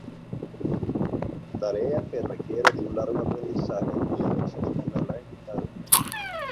Tarea que requiere de un largo aprendizaje y a veces una lenta disposición.